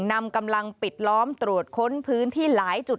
นำกำลังปิดล้อมตรวจค้นพื้นที่หลายจุด